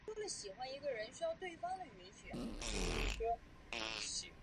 以林启生的家乡台南县归仁乡命名为归仁。